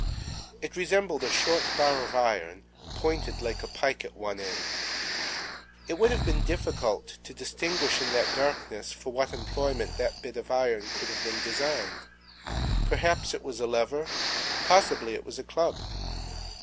It resembled a short bar of iron, pointed like a pike at one end. It would have been difficult to distinguish in that darkness for what employment that bit of iron could have been designed. Perhaps it was a lever; possibly it was a club.